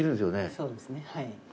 そうですねはい。